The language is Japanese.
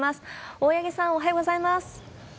大八木さん、おはようございます。